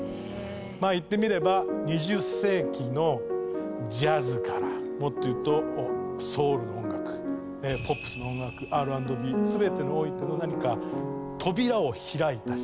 まあ言ってみれば２０世紀のジャズからもっと言うとソウルの音楽ポップスの音楽Ｒ＆Ｂ全てにおいての何か扉を開いた人です。